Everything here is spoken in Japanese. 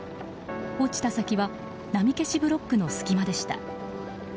落ちた先は波消しブロックの隙間でした。